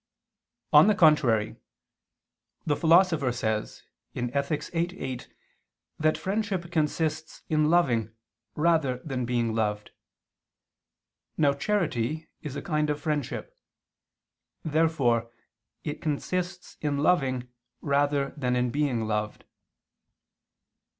On the contrary, The Philosopher says (Ethic. viii, 8) that friendship consists in loving rather than in being loved. Now charity is a kind of friendship. Therefore it consists in loving rather than in being loved.